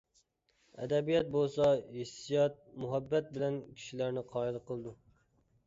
ئەدەبىيات بولسا ھېسسىيات، مۇھەببەت بىلەن كىشىلەرنى قايىل قىلىدۇ.